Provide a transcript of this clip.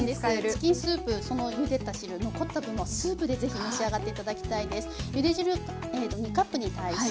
チキンスープそのゆでた汁残った分はスープで是非召し上がって頂きたいです。